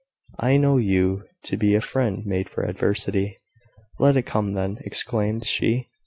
"I know you to be a friend made for adversity." "Let it come, then!" exclaimed she.